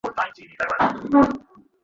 কেন, আমি তাঁর অসন্তোষের কাজ কী করিয়াছি?